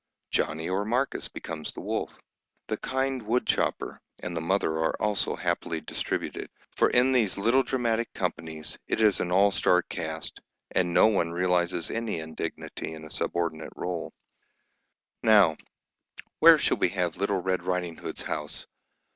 Johnny or Marcus becomes the wolf. The kind woodchopper and the mother are also happily distributed, for in these little dramatic companies it is an all star cast, and no one realises any indignity in a subordinate rôle. "Now, where shall we have little Red Riding Hood's house?